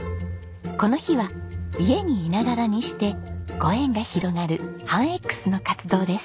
この日は家にいながらにしてご縁が広がる半Ｘの活動です。